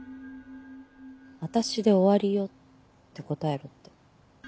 「私で終わりよ」って答えろって。